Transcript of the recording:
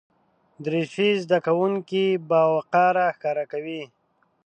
دریشي زده کوونکي باوقاره ښکاره کوي.